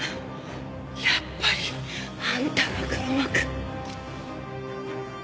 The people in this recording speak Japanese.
やっぱりあんたが黒幕。